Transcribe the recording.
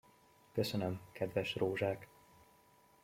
Köszönöm, kedves rózsák!